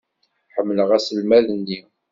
Ḥemmleɣ aselmad-nni.